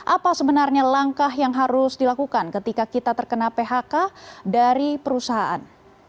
apa sebenarnya langkah yang harus dilakukan ketika kita terkena phk dari perusahaan